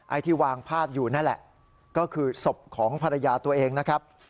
ที่วางพาดอยู่นั่นแหละก็คือศพของภรรยาตัวเองนะครับ